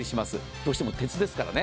どうしても鉄ですからね。